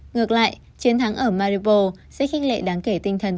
ngược lại chiến thắng ở maripos sẽ khinh lệ đáng kể tinh thần